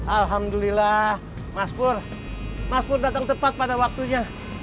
alhamdulillah mas pur mas pur datang tepat pada waktunya